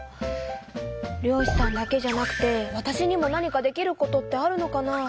漁しさんだけじゃなくてわたしにも何かできることってあるのかな？